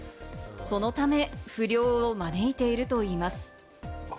そのため、不漁を招いているといいます。